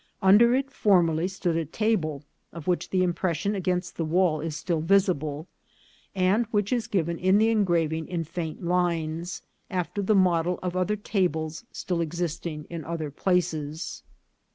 Under it formerly stood a table, of which the impression against the wall is still visible, and which is given in the engraving in faint lines, after the model of other tables still existing in other places.